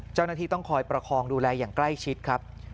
เจ้าหน้าที่ต้องคอยประคองดูแลอย่างใกล้ชิดครับ